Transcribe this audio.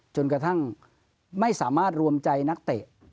จนกระทั่งไม่สามารถรวมใจนักเตะ